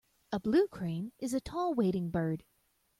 A blue crane is a tall wading bird.